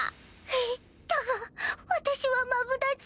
えっだが私はマブダチ。